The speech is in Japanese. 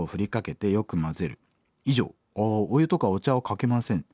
お湯とかお茶はかけません」。